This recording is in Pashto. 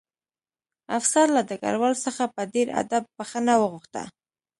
افسر له ډګروال څخه په ډېر ادب بښنه وغوښته